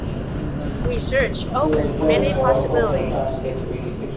Research opens many possibilities.